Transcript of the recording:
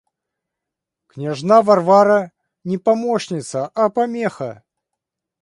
Княжна Варвара не помощница, а помеха.